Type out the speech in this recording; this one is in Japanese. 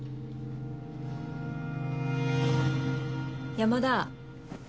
山田。